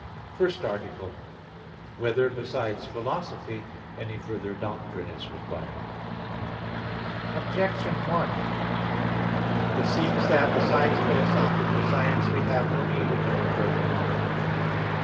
_______________________ FIRST ARTICLE [I, Q. 1, Art. 1] Whether, besides Philosophy, any Further Doctrine Is Required? Objection 1: It seems that, besides philosophical science, we have no need of any further knowledge.